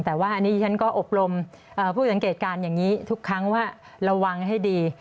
แต่ว่าอันนี้ฉันก็อบรมผู้สังเกตการณ์อย่างนี้ทุกครั้งว่าระวังให้ดี